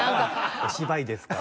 お芝居ですから。